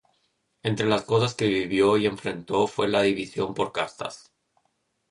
Entre las cosas que vivió y enfrentó fue la división por castas.